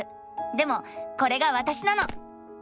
でもこれがわたしなの！